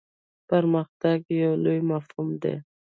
پرمختګ یو لوی مفهوم دی.